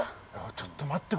ちょっと待ってくれ。